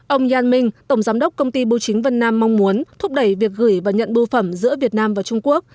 ông yann minh tổng giám đốc công ty bưu chính vân nam mong muốn thúc đẩy việc gửi và nhận bưu phẩm giữa việt nam và trung quốc